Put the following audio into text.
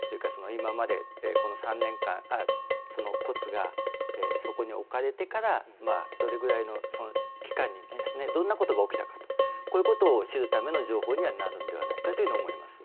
今までこの３年間骨がそこに置かれてからどれぐらいの期間にどんなことが起きたかとこういうことを知るための情報になるのではないかと思います。